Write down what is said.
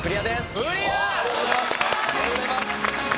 ありがとうございます！